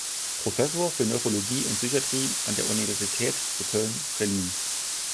Professor für Neurologie und Psychiatrie an der Universität zu Köln verliehen.